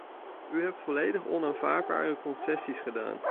U hebt volledig onaanvaardbare concessies gedaan.